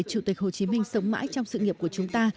chủ tịch hồ chí minh sống mãi trong sự nghiệp của chúng ta